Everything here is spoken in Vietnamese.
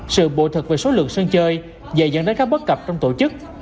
sự bộ thực về số lượng sân chơi dạy dẫn đến các bất cập trong tổ chức